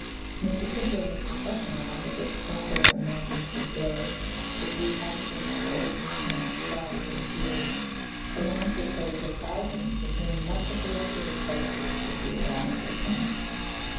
Mr. Kipling's Recessional, with its sombre imaginative glow, its recapturing of Old Testament prides and fears, commands the praise of thousands to whom much of the rest of his poetry is the abominable thing.